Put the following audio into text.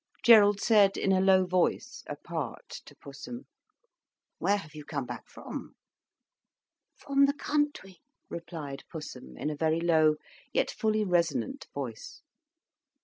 Gerald said in a low voice, apart, to Pussum: "Where have you come back from?" "From the country," replied Pussum, in a very low, yet fully resonant voice.